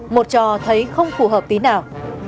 một trò thấy không phù hợp tí nào